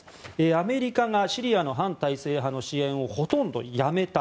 アメリカがシリアの反体制派の支援をほとんどやめた。